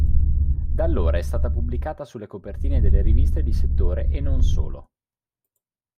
Da allora è stata pubblicata sulle copertine delle riviste di settore e non solo.